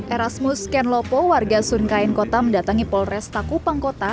erasmus ken lopo warga sunkain kota mendatangi polres takupangkota